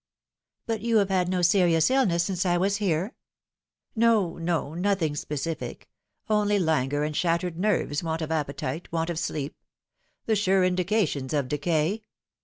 " But you have had no serious illness since I was here ?"" No, no, nothing specific ; only languor and shattered nerves, want of appetite, want of sleep : the sure indications of decay.